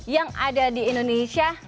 yang ada di indonesia